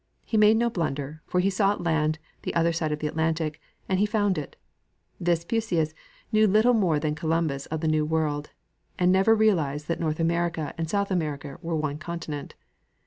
He made no blunder, for he sought land the other side of the Atlantic, and he found it. Vespucius knew little more than Columbus of the new world, and never realized tliat Nortli America and South America were one continent.